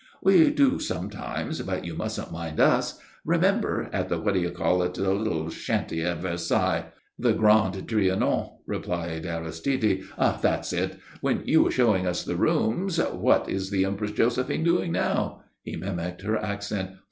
"We do sometimes, but you mustn't mind us. Remember at the what you call it the little shanty at Versailles ?" "The Grand Trianon," replied Aristide. "That's it. When you were showing us the rooms. 'What is the Empress Josephine doing now?'" He mimicked her accent.